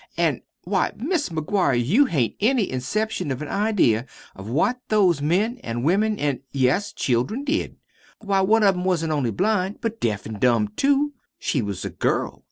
An' why, Mis' McGuire, you hain't any inception of an idea of what those men an' women an' yes, children did. Why, one of 'em wasn't only blind, but deaf an' dumb, too. She was a girl.